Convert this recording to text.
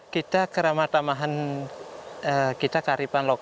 kita keramatamahan kita kearifan lokal ya